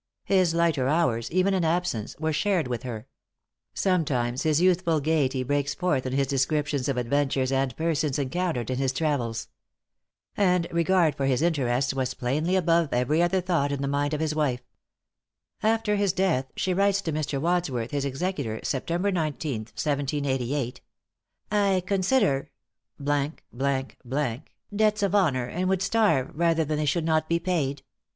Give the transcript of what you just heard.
His lighter hours, even in absence, were shared with her. Sometimes his youthful gaiety breaks forth in his descriptions of adventures and persons encountered in his travels. And regard for his interests was plainly above every other thought in the mind of his wife. After his death, she writes to Mr. Wadsworth, his executor, September 19th, 1788, "I consider ,,, debts of honor, and would starve, rather than they should not be paid."